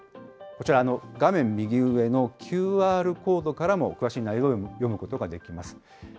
こちら、画面右上のＱＲコードからも詳しい内容を読むことができます。